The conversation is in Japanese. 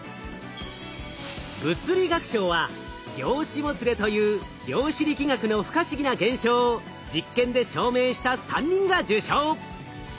物理学賞は「量子もつれ」という量子力学の不可思議な現象を実験で証明した３人が受賞。